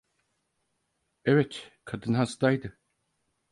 Evet, kadın hastaydı.